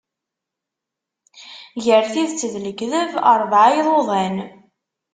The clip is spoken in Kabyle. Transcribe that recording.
Ger tidet d lekdeb, rebɛa iḍudan.